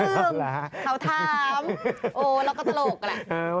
เขาถามโอ้เราก็ตลกแหละ